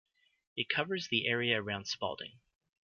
It covers the area around Spalding.